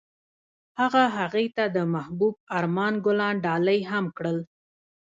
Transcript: هغه هغې ته د محبوب آرمان ګلان ډالۍ هم کړل.